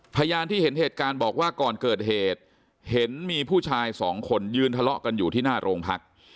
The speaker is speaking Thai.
พยานที่เห็นเหตุการณ์บอกว่าก่อนเกิดเหตุเห็นมีผู้ชายสองคนยืนทะเลาะกันอยู่ที่หน้าโรงพัก